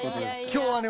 今日はね